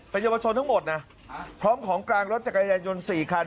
เป็นเยาวชนทั้งหมดนะพร้อมของกลางรถจักรยายนต์๔คัน